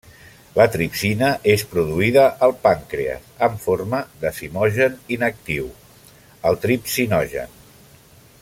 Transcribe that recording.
La tripsina és produïda al pàncrees, en forma de zimogen inactiu, el tripsinogen.